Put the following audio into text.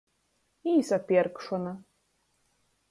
Īsapierkšona.